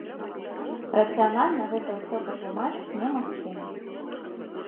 Рацыянальна гэта ўсё патлумачыць немагчыма.